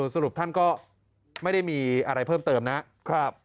สรุปท่านก็ไม่ได้มีอะไรเพิ่มเติมนะครับ